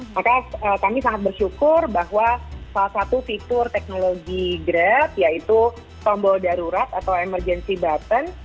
maka kami sangat bersyukur bahwa salah satu fitur teknologi grab yaitu tombol darurat atau emergency button